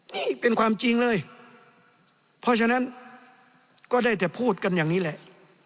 นี่เป็นความจริงเลยเพราะฉะนั้นก็ได้แต่พูดกันอย่างนี้แหละ